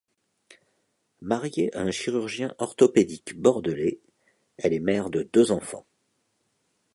Mariée à un chirurgien orthopédique bordelais, elle est mère de deux enfants.